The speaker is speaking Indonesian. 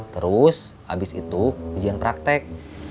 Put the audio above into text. terus habis itu ujian praktek